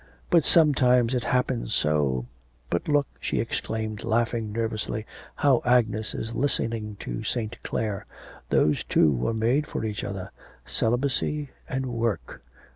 But sometimes it happens so. But look,' she exclaimed, laughing nervously, 'how Agnes is listening to St. Clare. Those two were made for each other. Celibacy and Work.